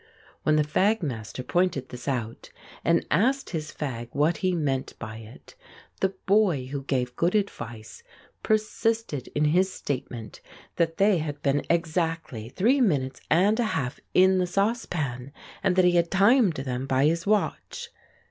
When the fag master pointed this out and asked his fag what he meant by it, the boy who gave good advice persisted in his statement that they had been exactly three minutes and a half in the saucepan, and that he had timed them by his watch.